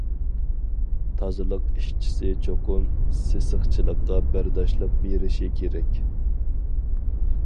تازىلىق ئىشچىسى چوقۇم سېسىقچىلىققا بەرداشلىق بېرىشى كېرەك.